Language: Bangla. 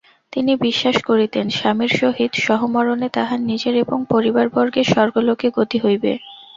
তিনি বিশ্বাস করিতেন, স্বামীর সহিত সহমরণে তাঁহার নিজের এবং পরিবারবর্গের স্বর্গলোকে গতি হইবে।